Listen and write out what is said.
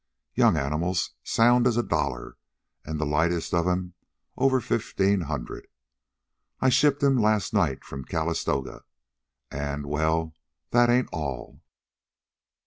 Young animals, sound as a dollar, and the lightest of 'em over fifteen hundred. I shipped 'm last night from Calistoga. An', well, that ain't all.